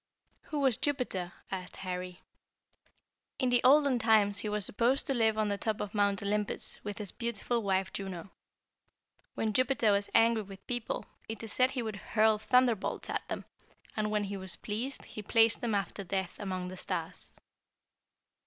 "Who was Jupiter?" asked Harry. "In the olden times, he was supposed to live on the top of Mount Olympus, with his beautiful wife Juno. When Jupiter was angry with people, it is said he would hurl thunderbolts at them, and when he was pleased he placed them after death among the stars."